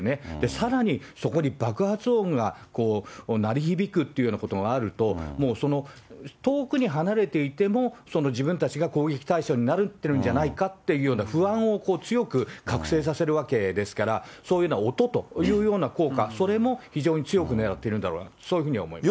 さらに、そこに爆発音が鳴り響くっていうようなことがあると、もう遠くに離れていても自分たちが攻撃対象になっているんじゃないかっていうような不安を強く覚醒させるわけですから、そういうのは音と効果、それも非常に強く狙っているんだろうな、そういうふうに思います。